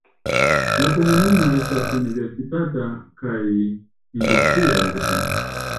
La komunumo estas universitata kaj industria urbo.